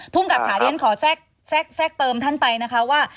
กับค่ะเรียนขอแทรกเติมท่านไปนะคะว่า